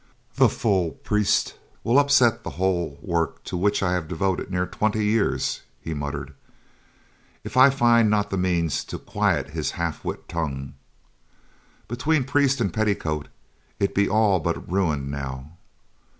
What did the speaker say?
"The fool priest will upset the whole work to which I have devoted near twenty years," he muttered, "if I find not the means to quiet his half wit tongue. Between priest and petticoat, it be all but ruined now.